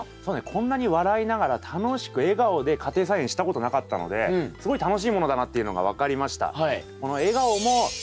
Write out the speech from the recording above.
こんなに笑いながら楽しく笑顔で家庭菜園したことなかったのですごい楽しいものだなっていうのが分かりました。